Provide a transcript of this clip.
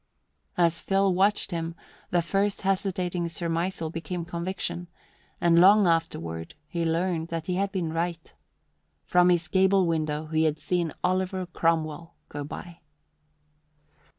As Phil watched him, the first hesitating surmisal became conviction, and long afterward he learned that he had been right. From his gable window he had seen Oliver Cromwell go by.